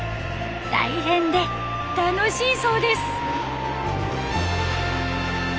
大変で楽しいそうです。